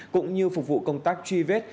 cũng như phục vụ công tác truy vết